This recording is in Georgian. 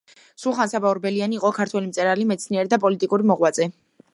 სულხან-საბა ორბელიანი იყო ქართველი მწერალი, მეცნიერი და პოლიტიკური მოღვაწე